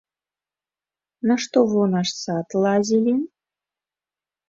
Нашто вы ў наш сад лазілі?